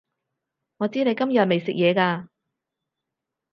我知你今日未食嘢㗎